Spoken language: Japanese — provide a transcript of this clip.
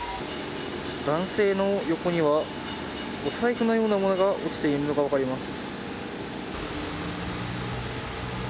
男性の隣にはお財布のようなものが落ちているのが分かります。